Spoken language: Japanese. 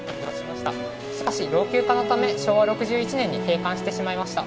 しかし老朽化のため、昭和６１年に閉館してしまいました。